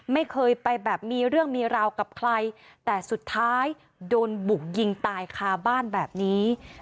ไม่เคยไปแบบมีเรื่องมีราวกับใครแต่สุดท้ายโดนบุกยิงตายคาบ้านแบบนี้